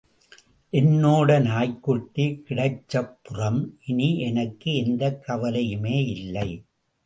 என்னோட நாய்க்குட்டி கிடைச்சப்புறம் இனி எனக்கு எந்தக் கவலையுமே இல்லை.